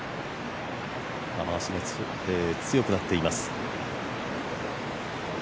雨脚も強くなっています。